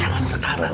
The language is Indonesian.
gak usah sekarang